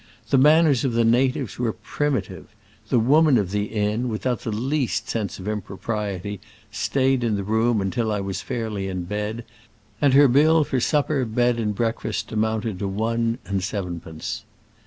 The manners of the natives were primitive : the woman of the inn, without the least sense of impropriety, stayed in the room until I was fairly in bed, and her bill for supper, bed and breakfast amcunted to one and sevenpence.